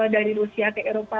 dari rusia ke eropa